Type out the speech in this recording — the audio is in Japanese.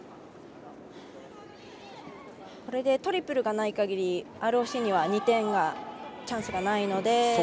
これでトリプルがない限りＲＯＣには２点のチャンスがないので。